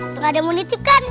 tukang ada mau nitip kan